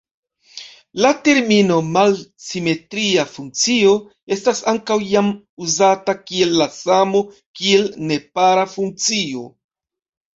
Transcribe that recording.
La termino "malsimetria funkcio" estas ankaŭ iam uzata kiel la samo kiel nepara funkcio.